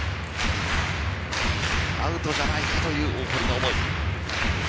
アウトじゃないかという大堀の思い。